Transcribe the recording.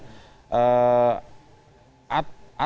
atau karena memang ada unsur kebencian